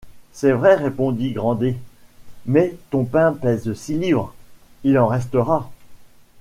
C’est vrai, répondit Grandet, mais ton pain pèse six livres, il en restera.